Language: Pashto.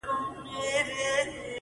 چي لو ډبره اخلي، هغه جنگ نکوي.